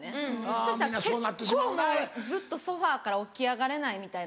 そしたら結構ずっとソファから起き上がれないみたいな。